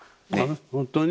本当に？